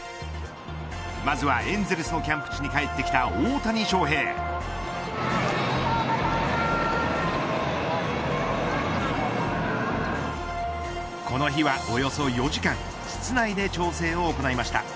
まずは、エンゼルスのキャンプ地に帰ってきたこの日はおよそ４時間室内で調整を行いました。